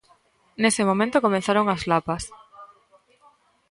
Nese momento comezaron as lapas.